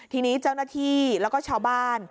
ทีนี้เจ้าหน้าที่แล้วก็ชาวบ้าน